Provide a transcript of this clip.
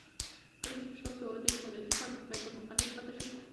کله چې په شپږ سوه اوه دېرش میلادي کال بیت المقدس فتحه شو.